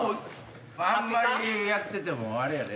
あんまりやっててもあれやで。